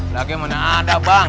lagi mana ada bang